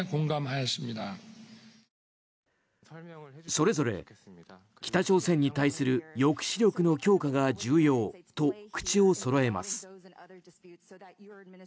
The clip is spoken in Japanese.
それぞれ北朝鮮に対する抑止力の強化が重要と口をそろえます。